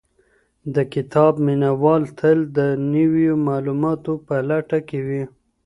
د کتاب مينه وال تل د نويو معلوماتو په لټه کي وي.